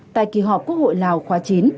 tại kỳ họp quốc hội lào khoa chín